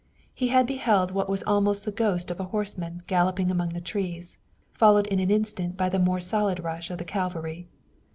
He had beheld what was almost the ghost of a horseman galloping among the trees, followed in an instant by the more solid rush of the cavalry.